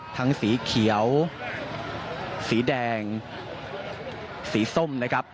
สีเขียวสีแดงสีส้มนะครับ